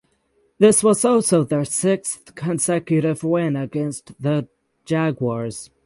This was also their sixth consecutive win against the Jaguars.